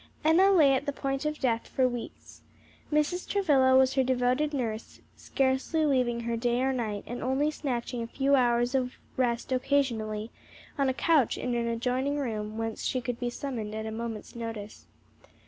Enna lay at the point of death for weeks. Mrs. Travilla was her devoted nurse, scarcely leaving her day or night, and only snatching a few hours of rest occasionally, on a couch in an adjoining room whence she could be summoned at a moment's notice.